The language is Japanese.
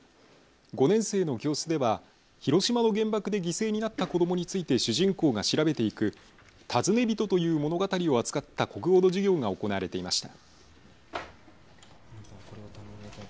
５年生の教室では広島の原爆で犠牲になった子どもについて主人公が調べていくたずねびとという物語を扱った国語の授業が行われていました。